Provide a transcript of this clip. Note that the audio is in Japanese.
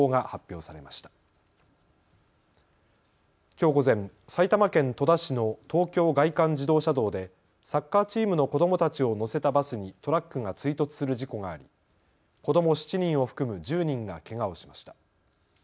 きょう午前、埼玉県戸田市の東京外環自動車道でサッカーチームの子どもたちを乗せたバスにトラックが追突する事故があり子ども７人を含む１０人がけがをしました。